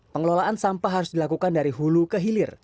pengelolaan sampah harus dilakukan dari hulu ke hilir